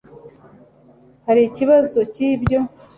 hari ikibazo cyibyo